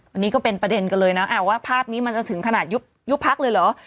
อันนี้ก็เป็นประเด็นกันเลยนะว่าภาพนี้มันจะถึงขนาดยุบพักเลยเหรอ